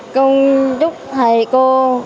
công chúc thầy cô